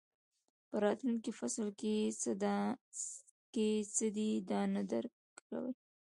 په راتلونکي فصل کې څه دي دا نه درک کوئ.